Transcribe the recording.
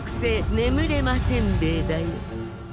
眠れませんべい？